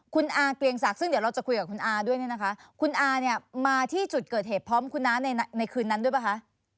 คุณอาเกลียงศักดิ์ซึ่งเดี๋ยวเราจะคุยกับคุณอาด้วยเนี่ยนะคะคุณอาเนี่ยมาที่จุดเกิดเหตุพร้อมคุณน้าในคืนนั้นด้วยป่ะคะ